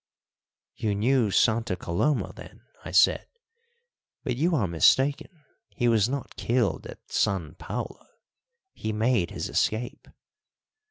"You knew Santa Coloma, then?" I said. "But you are mistaken, he was not killed at San Paulo, he made his escape."